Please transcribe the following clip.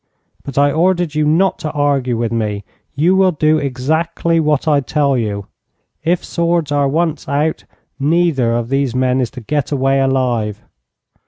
But I ordered you not to argue with me. You will do exactly what I tell you. If swords are once out, neither of these men is to get away alive.'